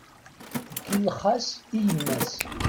Ikellex-as i yemma-s.